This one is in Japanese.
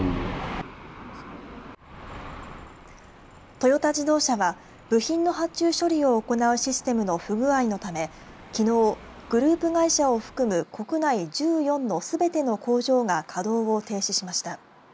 トヨタ自動車は部品の発注処理を行うシステムの不具合のためきのう、グループ会社を含む国内１４のすべての工場が稼働を停止しました。